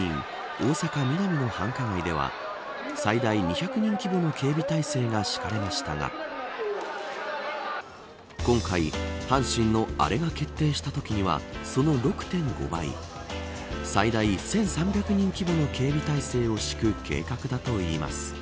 大阪・ミナミの繁華街では最大２００人規模の警備体制が敷かれましたが今回、阪神のアレが決定したときにはその６．５倍最大１３００人規模の警備態勢を敷く計画だといいます。